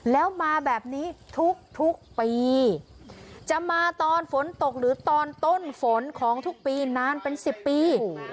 แล้วมาแบบนี้ทุกปีจะมาตอนฝนตกหรือตอนต้นฝนของทุกปีนานเป็น๑๐ปี